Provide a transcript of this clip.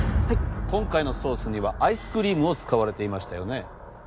今回のソースにはアイスクリームを使われていましたよね？